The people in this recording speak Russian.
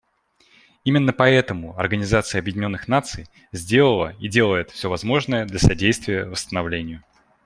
Именно поэтому Организация Объединенных Наций сделала и делает все возможное для содействия восстановлению.